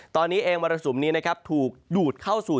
ตอนนี้เองวารสุมนี้ถูกดูดเข้าสู่